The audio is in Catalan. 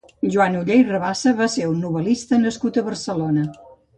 Joan Oller i Rabassa va ser un novel·lista nascut a Barcelona.